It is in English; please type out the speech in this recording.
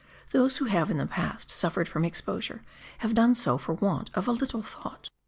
Those who have in the past suffered from exposure have done so for want of a little thought.